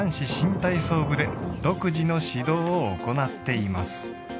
体操部で独自の指導を行っています